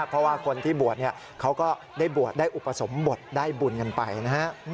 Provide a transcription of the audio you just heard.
เพราะว่าคนที่บวชเขาก็ได้บวชได้อุปสมบทได้บุญกันไปนะฮะ